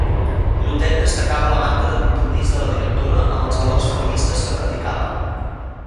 Clotet destacava la manca de compromís de la directora amb els valors feministes que predicava.